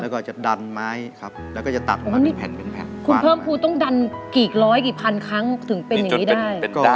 แล้วก็จะดันไม้ครับแล้วก็จะตับเป็นแผ่น